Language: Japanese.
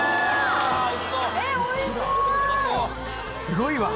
すごいわ！